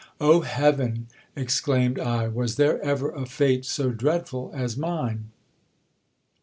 O heaven ! exclaimed I, was there ever a fate so dreadful as mine